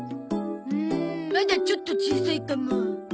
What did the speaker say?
うーんまだちょっと小さいかも。